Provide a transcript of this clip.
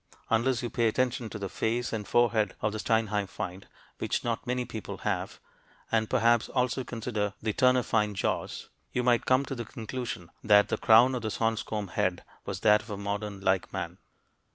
Unless you pay attention to the face and forehead of the Steinheim find which not many people have and perhaps also consider the Ternafine jaws, you might come to the conclusion that the crown of the Swanscombe head was that of a modern like man.